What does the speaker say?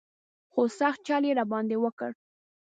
خو سخت چل یې را باندې وکړ.